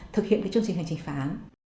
thực hiện chương trình hành trình phá án